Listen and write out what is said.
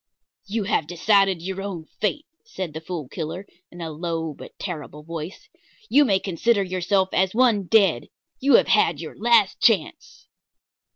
"You have decided your own fate," said the Fool Killer, in a low but terrible voice. "You may consider yourself as one dead. You have had your last chance."